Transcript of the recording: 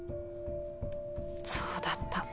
そうだった。